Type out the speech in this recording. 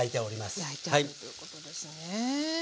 焼いているということですね。